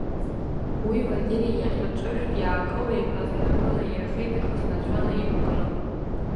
Уи Валери иахь аҿышәҭ иаакылиҳәаз инапы наирхеит, ихыснацәа наиқәкны.